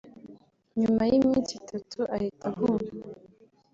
nyuma y’iminsi itatu ahita ahuma